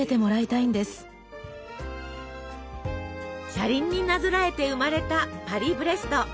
車輪になぞらえて生まれたパリブレスト。